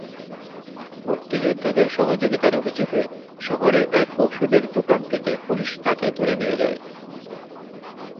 মুক্তিযোদ্ধাদের সহযোগিতার অভিযোগে শহরের এক ঔষধের দোকান থেকে পুলিশ তাঁকে ধরে নিয়ে যায়।